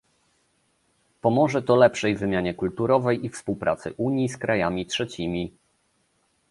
Pomoże to lepszej wymianie kulturowej i współpracy Unii z krajami trzecimi